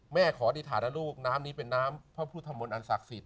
ขออธิษฐานนะลูกน้ำนี้เป็นน้ำพระพุทธมนต์อันศักดิ์สิทธิ